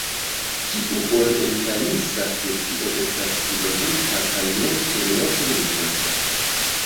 Tiu orientalisa specio estas loĝanta kaj nur surloke migranta.